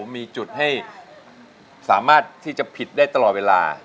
มีจุดให้สามารถที่จะผิดได้ตลอดเวลา